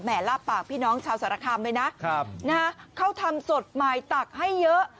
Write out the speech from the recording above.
แหมลาปากพี่น้องชาวสารคามด้วยนะครับนะเขาทำสดหมายตักให้เยอะ